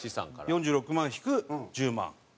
４６万引く１０万。